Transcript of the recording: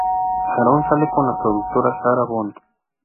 Aaron sale con la productora Sarah Bond.